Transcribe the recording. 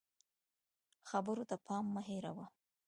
خبرو ته پام مه هېروه